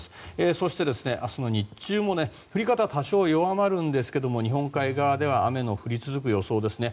そして、明日の日中も降り方は多少弱まりますが日本海側では雨の降り続く予想です。